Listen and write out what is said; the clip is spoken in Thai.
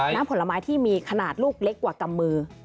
ผลไม้ที่มีขนาดลูกเล็กกว่ากำมือ